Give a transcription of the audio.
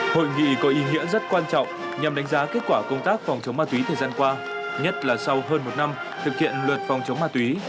hội nghị có ý nghĩa rất quan trọng nhằm đánh giá kết quả công tác phòng chống ma túy thời gian qua nhất là sau hơn một năm thực hiện luật phòng chống ma túy